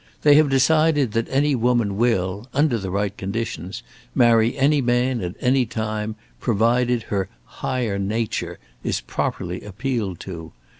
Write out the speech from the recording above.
They have decided that any woman will, under the right conditions, marry any man at any time, provided her "higher nature" is properly appealed to.